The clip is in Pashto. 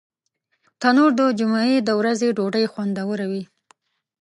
تنور د جمعې د ورځې ډوډۍ خوندوروي